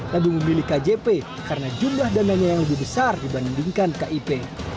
lebih memilih kjp karena jumlah dananya yang lebih besar dibandingkan kip